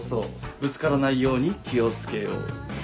「ぶつからないように気をつけよう」。